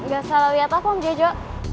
gak salah liat apa om jojo